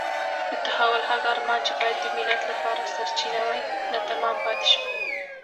د تحول هغه ارمان چې باید د ملت لپاره سرچینه وای ناتمام پاتې شو.